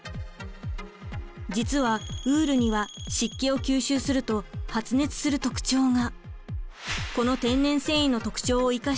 実はウールには湿気を吸収すると発熱する特徴が。